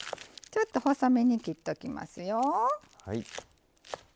ちょっと細めに切っておきますよ。